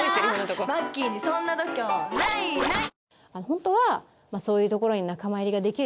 マッキーにそんな度胸ないない